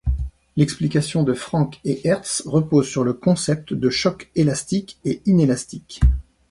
L'explication de Franck et Hertz repose sur le concept de chocs élastiques et inélastiques.